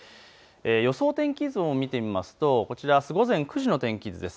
予想天気図を見てみますとこちら、あす午前９時の天気図です。